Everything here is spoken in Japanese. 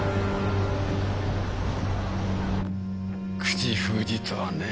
口封じとはね。